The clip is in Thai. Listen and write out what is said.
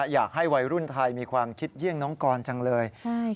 อยากให้วัยรุ่นไทยมีความคิดเยี่ยงน้องกรจังเลย